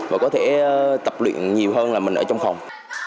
và có thể tập luyện nhiều hơn là mình ở trong phòng